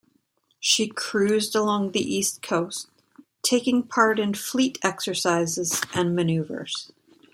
She cruised along the east coast, taking part in fleet exercises and maneuvers.